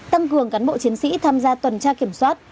tăng cường cán bộ chiến sĩ tham gia tuần tra kiểm soát